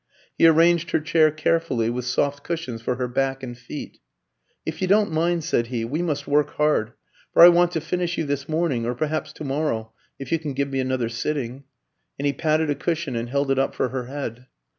He arranged her chair carefully, with soft cushions for her back and feet. "If you don't mind," said he, "we must work hard, for I want to finish you this morning, or perhaps to morrow, if you can give me another sitting," and he patted a cushion and held it up for her head.